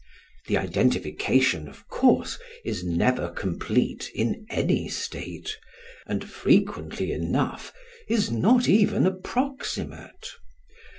The identification, of course, is never complete in any state, and frequently enough is not even approximate.